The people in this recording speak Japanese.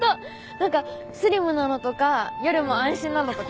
なんかスリムなのとか夜も安心なのとか。